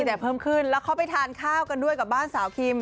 แล้วเข้าไปทานข้าวกันด้วยกับบ้านสาวคิม